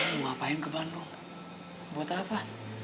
mau ngapain ke bandung buat apa